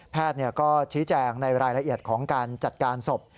ก็ชี้แจงในรายละเอียดของการจัดการศพ